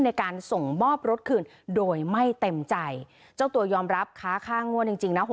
ในการส่งมอบรถคืนโดยไม่เต็มใจเจ้าตัวยอมรับค้าค่างวดจริงจริงนะ